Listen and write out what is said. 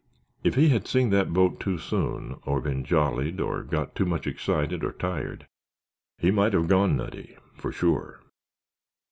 If he had seen that boat too soon, or been jollied or got too much excited or tired he might have gone nutty, for sure.